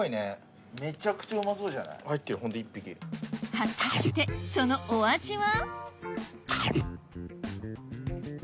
果たしてそのお味は？